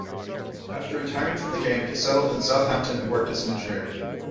After retiring from the game, he settled in Southampton and worked as an engineer.